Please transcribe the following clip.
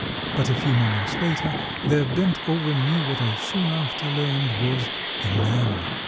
But a few moments later there bent over me what I soon after learned was a man.